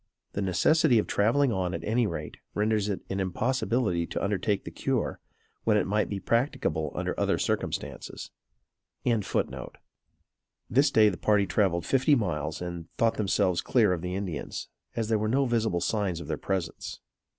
The necessity of traveling on, at any rate, renders it an impossibility to undertake the cure, when it might be practicable under other circumstances.] This day the party travelled fifty miles and thought themselves clear of Indians, as there were no visible signs of their presence.